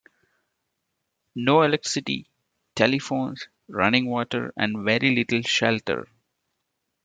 No electricity, telephones, running water and very little shelter.